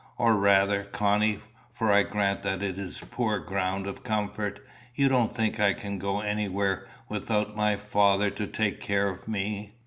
Or rather, Connie, for I grant that is poor ground of comfort, you don't think I can go anywhere without my Father to take care of me?"